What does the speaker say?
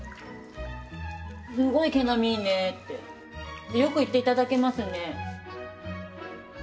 すごい毛並みいいねってよく言っていただけますね。